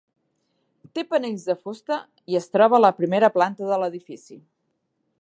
Té panells de fusta i es troba a la primera planta de l'edifici.